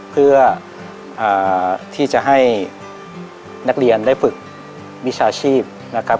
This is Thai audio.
เพื่อที่จะให้นักเรียนได้ฝึกวิชาชีพนะครับ